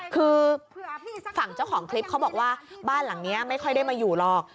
คือฝั่งเจ้าของคลิปเขาบอกว่าบ้านหลังนี้ไม่ค่อยได้มาอยู่หรอก